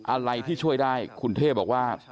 อะไรที่ช่วยได้คุณเท่บอกว่า